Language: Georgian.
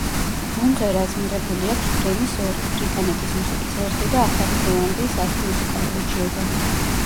მომღერალს მიღებული აქვს გრემის ორი, ბრიტანეთის მუსიკის ერთი და ახალი ზელანდიის ათი მუსიკალური ჯილდო.